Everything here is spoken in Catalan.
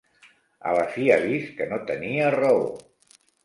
A la fi ha vist que no tenia raó.